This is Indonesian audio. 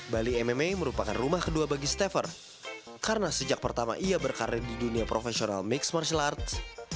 bali mma merupakan rumah kedua bagi stafer karena sejak pertama ia berkarir di dunia profesional mixed martial arts